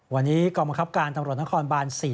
วันนี้กรมกรับการตำรวจทางคอนบาน๔